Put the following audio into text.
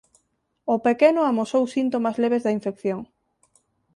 O pequeno amosou síntomas leves da infección.